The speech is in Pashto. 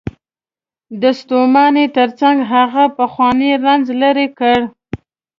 د ستومانۍ تر څنګ هغه پخوانی رنځ لرې کړ.